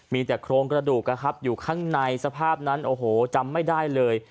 มีแต่โครงกระดูกนะครับอยู่ข้างในสภาพนั้นโอ้โหจำไม่ได้เลย